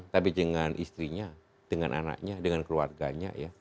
tapi dengan istrinya dengan anaknya dengan keluarganya ya